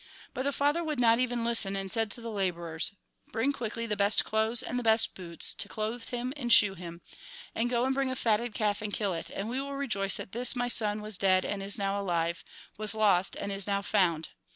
But the father would not even listen, and said to the labourers :' Bring quickly the best clothes and the best boots, to clothe him and shoe him. And go and bring a fatted calf and kill it, and we will rejoice that this my son was dead and is now alive, was lost and is now found.'